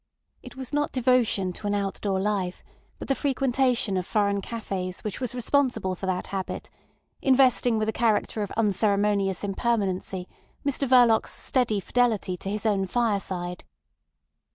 It was not devotion to an outdoor life, but the frequentation of foreign cafés which was responsible for that habit, investing with a character of unceremonious impermanency Mr Verloc's steady fidelity to his own fireside.